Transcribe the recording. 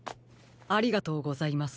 ありがとうございます。